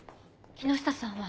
木下さんは。